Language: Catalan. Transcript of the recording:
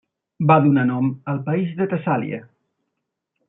Va donar nom al país de Tessàlia.